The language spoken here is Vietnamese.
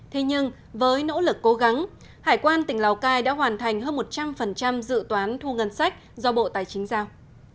thế nhưng với nỗ lực cố gắng hải quan tỉnh lào cai đã hoàn thành hơn một trăm linh dự toán thu ngân sách do bộ tài chính giao